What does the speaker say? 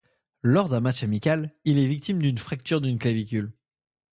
Lors d'un match amical, il est victime d'une fracture d'une clavicule.